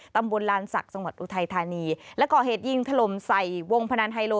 ตำบลลานศักดิ์จังหวัดอุทัยธานีและก่อเหตุยิงถล่มใส่วงพนันไฮโล